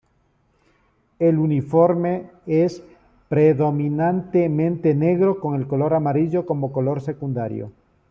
El uniforme es predominantemente negro, con el color amarillo como color secundario.